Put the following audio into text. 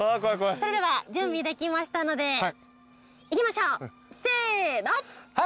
それでは準備できましたのでいきましょうせの。